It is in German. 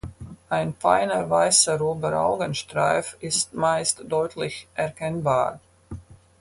Ein feiner weißer Überaugenstreif ist meist deutlich erkennbar.